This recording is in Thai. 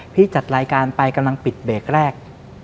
จัดรายการไปกำลังปิดเบรกแรก